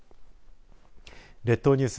列島ニュース